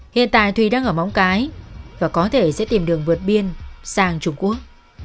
hiện tại thùy đang ở móng cái và có thể sẽ tìm đường vượt biên sang trung quốc